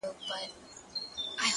خداى دي كړي خير ياره څه سوي نه وي”